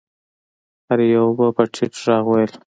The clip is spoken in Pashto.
هر يوه به په ټيټ غږ ويل.